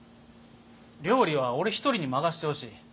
料理は俺一人に任してほしい。